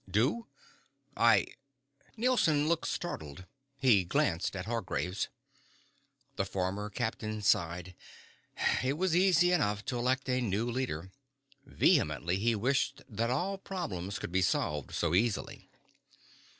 "Do? I " Nielson looked startled. He glanced at Hargraves. The former captain sighed. It was easy enough to elect a new leader. Vehemently he wished that all problems could be solved so easily.